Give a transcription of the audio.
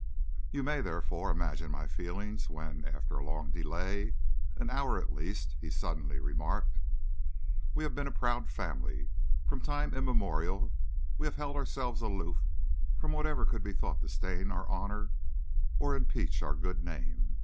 You may, therefore, imagine my feelings when, after a long delay an hour at least he suddenly remarked: "We have been a proud family. From time immemorial we have held ourselves aloof from whatever could be thought to stain our honor or impeach our good name.